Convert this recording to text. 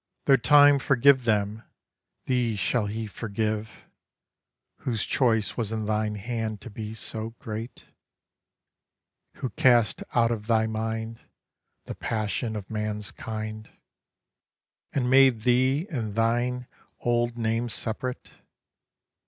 Though time forgive them, thee shall he forgive, Whose choice was in thine hand to be so great? Who cast out of thy mind The passion of man's kind, And made thee and thine old name separate?